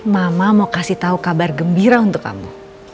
mama mau kasih tahu kabar gembira untuk kamu